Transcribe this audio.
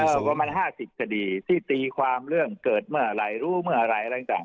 ส่วนประมาณ๕๐คดีที่ตีความเรื่องเกิดเมื่อไหร่รู้เมื่อไหร่อะไรต่าง